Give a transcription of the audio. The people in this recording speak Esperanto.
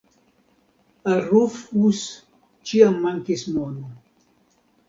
Al Rufus ĉiam mankis mono.